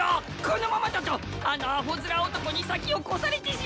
このままだとあのアホ面男に先を越されてしまう！